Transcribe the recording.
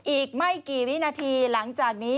อีกไม่กี่วินาทีหลังจากนี้